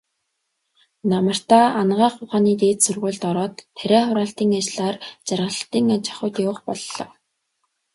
Намартаа Анагаах ухааны дээд сургуульд ороод, тариа хураалтын ажлаар Жаргалантын аж ахуйд явах боллоо.